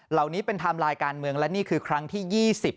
เหล่านี้เป็นไทม์ไลน์การเมืองและนี่คือครั้งที่๒๐